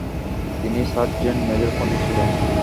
তিনি sergeant major পদে ছিলেন।